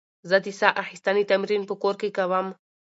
زه د ساه اخیستنې تمرین په کور کې کوم.